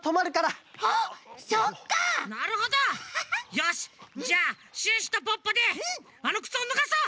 よしじゃあシュッシュとポッポであのくつをぬがそう！